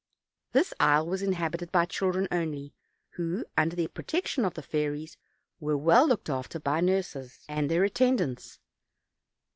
This isle was inhabited by children only, who, under the protection of the fairies, were well looked after by nurses and their attendants.